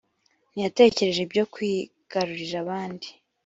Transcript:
ntiyatekereje ibyo kwigarurira abandi